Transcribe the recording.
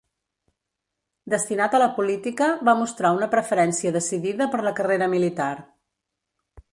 Destinat a la política, va mostrar una preferència decidida per la carrera militar.